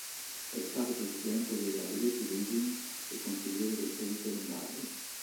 È stato Presidente della Olivetti Leasing e Consigliere del Credito Lombardo.